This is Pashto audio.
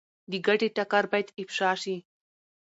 د ګټې ټکر باید افشا شي.